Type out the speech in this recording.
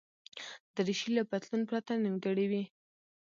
دریشي له پتلون پرته نیمګړې وي.